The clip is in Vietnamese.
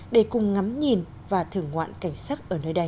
để cùng ngắm nhìn và thưởng ngoạn cảnh sắc ở nơi đây